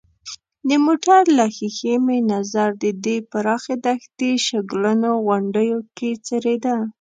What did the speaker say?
د موټر له ښېښې مې نظر د دې پراخې دښتې شګلنو غونډیو کې څرېده.